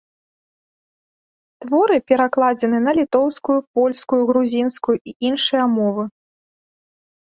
Творы перакладзены на літоўскую, польскую, грузінскую і іншыя мовы.